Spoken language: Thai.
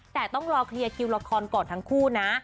แต่ต้องคลีย์แควร์ราคอง่าก่อนทั้งคู่นะ